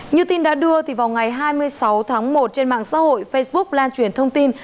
như tin đã đưa vào ngày hai mươi sáu tháng một trên mạng xã hội facebook lan truyền thông tin